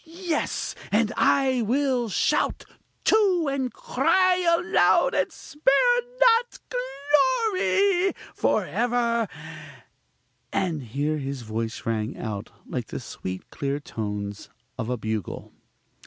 Yes! and I will shout, too! and cry aloud, and spare not glory! for ever! (and here his voice rang out like the sweet, clear tones of a bugle).